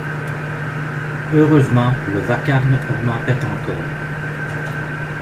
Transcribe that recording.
Heureusement le vacarme augmentait encore.